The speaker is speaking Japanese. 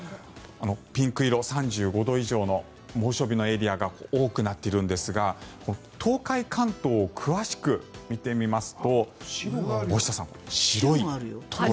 ピンク色３５度以上の猛暑日のエリアが多くなっているんですが東海、関東を詳しく見てみますと大下さん、白いところが。